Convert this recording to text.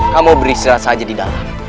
kamu beristirahat saja di dalam